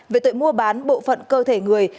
về tội mua bán bộ phận cơ thể người